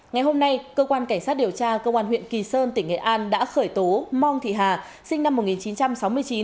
ngày hôm nay cơ quan cảnh sát điều tra công an huyện kỳ sơn tỉnh nghệ an đã khởi tố mong thị hà sinh năm một nghìn chín trăm sáu mươi chín